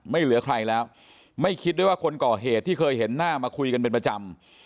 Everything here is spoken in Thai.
เหลือใครแล้วไม่คิดด้วยว่าคนก่อเหตุที่เคยเห็นหน้ามาคุยกันเป็นประจำ